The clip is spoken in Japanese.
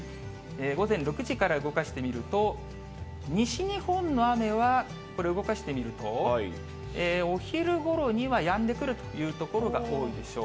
午前６時から動かしてみると、西日本の雨は、これ、動かしてみると、お昼ごろにはやんでくるという所が多いでしょう。